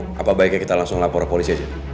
mabah baiknya kita langsung lapor ke polisi aja